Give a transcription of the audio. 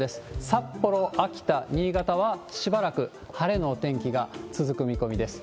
札幌、秋田、新潟はしばらく晴れのお天気が続く見込みです。